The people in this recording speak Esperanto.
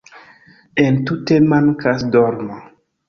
Entute mankas dormo